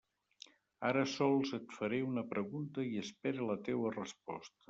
Ara sols et faré una pregunta i espere la teua resposta.